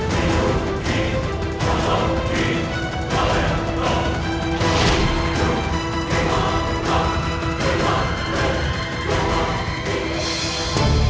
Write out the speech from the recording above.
pegangan setelah satu hitam